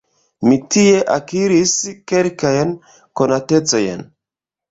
Mi tie akiris kelkajn konatecojn.